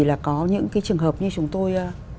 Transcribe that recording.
là có những cái trường hợp như chúng tôi